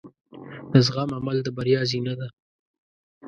د زغم عمل د بریا زینه ده.